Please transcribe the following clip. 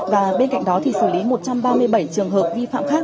và bên cạnh đó thì xử lý một trăm ba mươi bảy trường hợp vi phạm khác